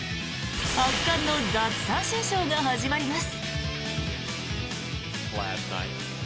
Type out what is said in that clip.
圧巻の奪三振ショーが始まります。